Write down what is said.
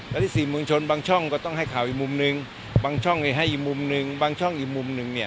และที่สื่อมวลชนบางช่องก็ต้องให้ข่าวอีกมุมหนึ่งบางช่องให้อีกมุมหนึ่งบางช่องอีกมุมหนึ่งเนี่ย